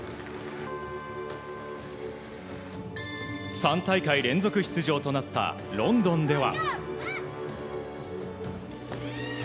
３大会連続出場となったロンドンでは。